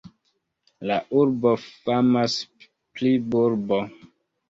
La urbo famas pri bulbo.